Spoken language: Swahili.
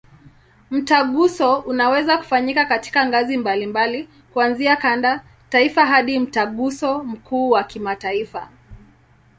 Mtaguso unaweza kufanyika katika ngazi mbalimbali, kuanzia kanda, taifa hadi Mtaguso mkuu wa kimataifa.